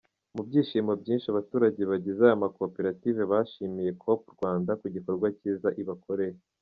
Mu byishimo byinshi, abaturage bagize aya makoperative bashimiye Coop- Rwanda ku gikorwa cyiza ibakoreye.